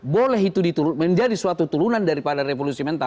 boleh itu menjadi suatu turunan daripada revolusi mental